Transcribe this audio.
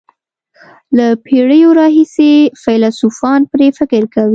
له پېړیو راهیسې فیلسوفان پرې فکر کوي.